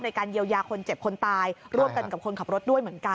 ในการเยียวยาคนเจ็บคนตายร่วมกันกับคนขับรถด้วยเหมือนกัน